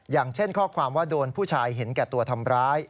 อย่างเช่นข้อความว่าโดนผู้ชายเห็นแก่ตัวทำร้าย